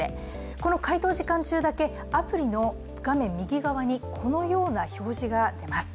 この回答時間中だけアプリの画面右側にこのような表示が出ます。